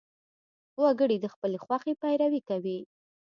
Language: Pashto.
وګړي د خپلې خوښې پیروي کوي.